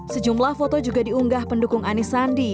sejumlah foto juga diunggah pendukung anisandi